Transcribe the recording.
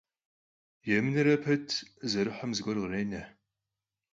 Yêmınere pet zerıhem zıguer khrêne.